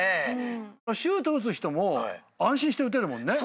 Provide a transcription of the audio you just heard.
シュート打つ人も安心して打てるもんね。